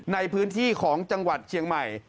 ในพื้นที่ของจังหวัดเชียงใหม่